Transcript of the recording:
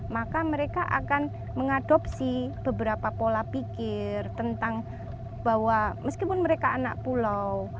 maka mereka akan mengadopsi beberapa pola pikir tentang bahwa meskipun mereka anak pulau